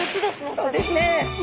そうですね。